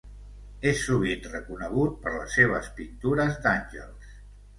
És sovint reconegut per les seves pintures d'àngels.